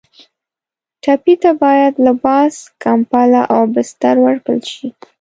ټپي ته باید لباس، کمپله او بستر ورکړل شي.